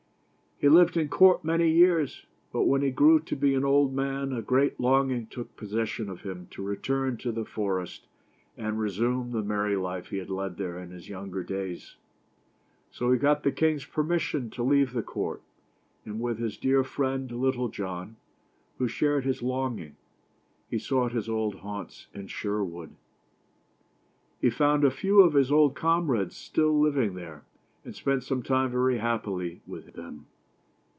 He lived at court many years; but when he grew to be an old man, a great longing took pos session of him to return to the forest and resume the merry life he had led there in his younger days. So he got the 's permission to leave the court, and with his dear friend, Little John, who shared his longing, he sought his old haunts in Sherwood. THE STORY OF ROBIN HOOD. He found a few of his old comrades still living there, and spent some time very happily with them.